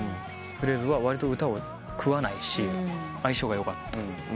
フレーズはわりと歌を食わないし相性がよかった。